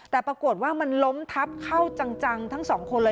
แต่ปรากฏว่ามันล้มทับเข้าจังทั้งสองคนเลย